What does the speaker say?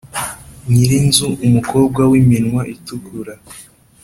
nyiri inzu umukobwa wiminwa itukura,